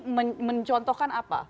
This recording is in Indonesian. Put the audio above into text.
ini mencontohkan apa